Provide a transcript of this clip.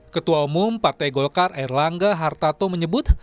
ketua umum partai golkar erlangga hartarto menyebut